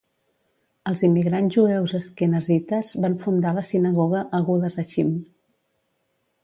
Els immigrants jueus asquenazites van fundar la sinagoga Agudas Achim.